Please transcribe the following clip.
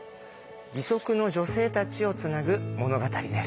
義足の女性たちをつなぐ物語です。